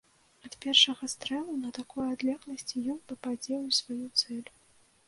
Ад першага стрэлу на такой адлегласці ён пападзе ў сваю цэль.